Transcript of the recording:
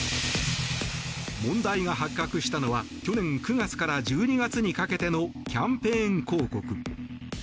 問題が発覚したのは去年９月から１２月にかけてのキャンペーン広告。